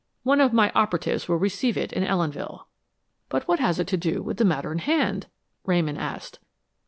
One of my operatives will receive it in Ellenville." "But what has it to do with the matter in hand?" Ramon asked.